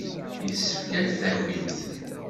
Yessefk ad d-takimt.